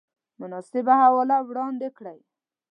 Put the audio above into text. مناسبه حواله وړاندې کړئ